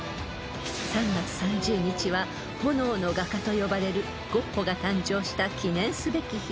［３月３０日は炎の画家と呼ばれるゴッホが誕生した記念すべき日］